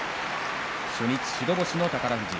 初日、白星の宝富士。